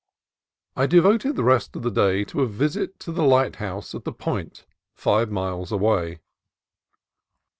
I devoted the rest of the day to a visit to the light house at the Point, five miles away.